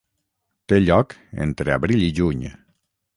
Té lloc entre abril i juny.